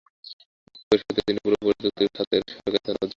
বক্তব্যের শুরুতে তিনি পুরো প্রযুক্তি খাতের সবাইকে ধন্যবাদ জানান।